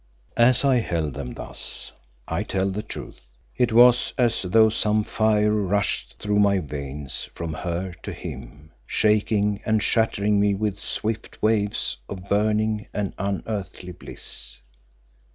As I held them thus, I tell the truth: it was as though some fire rushed through my veins from her to him, shaking and shattering me with swift waves of burning and unearthly Bliss.